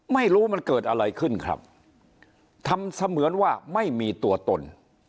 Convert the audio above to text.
ไม่รู้มันเกิดอะไรขึ้นครับทำเสมือนว่าไม่มีตัวตน